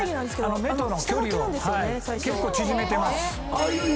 目との距離を結構縮めてます。